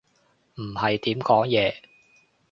唔係點講嘢